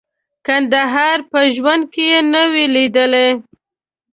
کندهار په ژوند کې نه وې لیدلي.